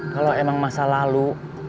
kalau memang masa lalu